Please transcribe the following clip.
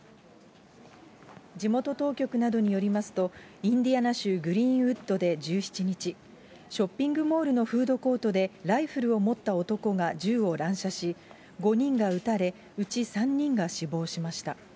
地元当局などによりますと、インディアナ州グリーンウッドで１７日、ショッピングモールのフードコートで、ライフルを持った男が銃を乱射し、５人が撃たれ、うち３人が死亡しました。